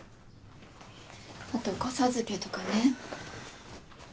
あと子授けとかね。